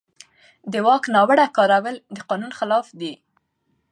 د واک ناوړه کارول د قانون خلاف دي.